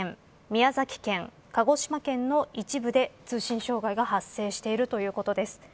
宮崎県、鹿児島県の一部で通信障害が発生しているということです。